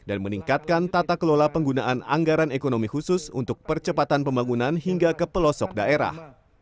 dan meningkatkan tata kelola penggunaan anggaran ekonomi khusus untuk percepatan pembangunan hingga ke pelosok daerah